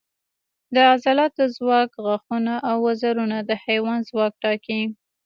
د عضلاتو ځواک، غاښونه او وزرونه د حیوان ځواک ټاکي.